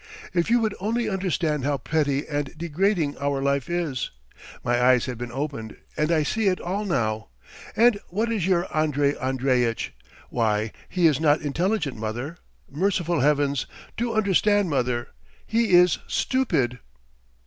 If you would only understand how petty and degrading our life is. My eyes have been opened, and I see it all now. And what is your Andrey Andreitch? Why, he is not intelligent, mother! Merciful heavens, do understand, mother, he is stupid!"